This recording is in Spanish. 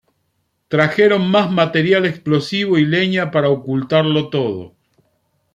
Trajeron más material explosivo y leña para ocultarlo todo.